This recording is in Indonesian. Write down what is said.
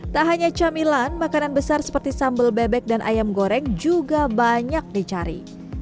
tak hanya camilan makanan besar seperti sambal bebek dan ayam goreng juga banyak dicari